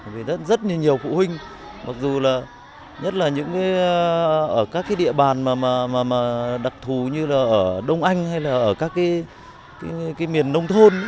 vì rất nhiều phụ huynh nhất là ở các địa bàn đặc thù như ở đông anh hay ở các miền nông thôn